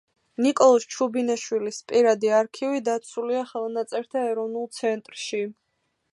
ნიკოლოზ ჩუბინაშვილის პირადი არქივი დაცულია ხელნაწერთა ეროვნულ ცენტრში.